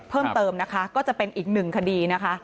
เพิ่มเติมนะคะก็จะเป็นอีกหนึ่งคดีนะคะ